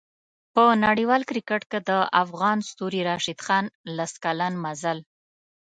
په نړیوال کریکټ کې د افغان ستوري راشد خان لس کلن مزل